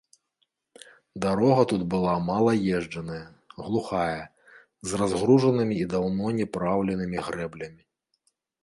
Дарога тут была малаезджаная, глухая, з разгружанымі і даўно не праўленымі грэблямі.